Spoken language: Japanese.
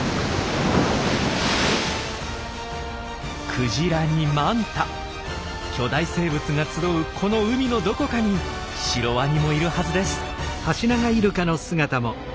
クジラにマンタ巨大生物が集うこの海のどこかにシロワニもいるはずです。